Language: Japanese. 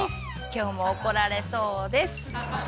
今日も怒られそうです！